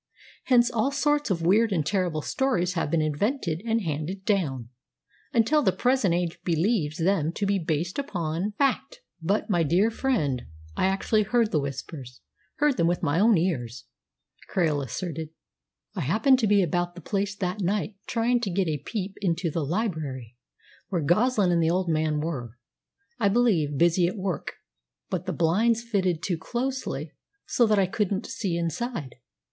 Hence all sorts of weird and terrible stories have been invented and handed down, until the present age believes them to be based upon fact." "But, my dear friend, I actually heard the Whispers heard them with my own ears," Krail asserted. "I happened to be about the place that night, trying to get a peep into the library, where Goslin and the old man were, I believe, busy at work. But the blinds fitted too closely, so that I couldn't see inside.